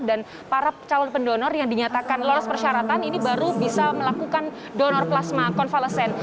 dan para calon pendonor yang dinyatakan loros persyaratan ini baru bisa melakukan donor plasma konvalesen